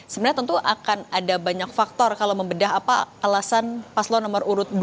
sebenarnya tentu akan ada banyak faktor kalau membedah apa alasan paslon nomor urut dua